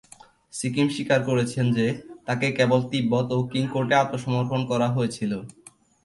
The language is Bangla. সিকিম স্বীকার করেছেন যে তাঁকে কেবল তিব্বত ও কিং কোর্টে আত্মসমর্পণ করা হয়েছিল।